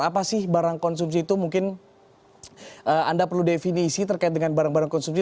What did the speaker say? apa sih barang konsumsi itu mungkin anda perlu definisi terkait dengan barang barang konsumsi